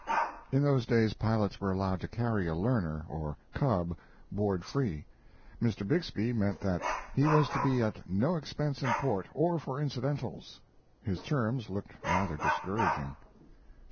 In those days pilots were allowed to carry a learner, or "cub," board free. Mr. Bixby meant that he was to be at no expense in port, or for incidentals. His terms looked rather discouraging.